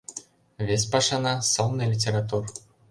Вес пашана — сылне литератур.